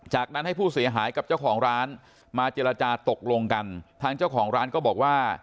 จากนั้นให้ผู้เสียหายกับเจ้าของร้านมาเจรจาตกลงกันทางเจ้าของร้านก็บอกว่า